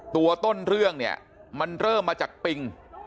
ตัวต้นเรื่องเนี่ยมันเริ่มมาจากปิง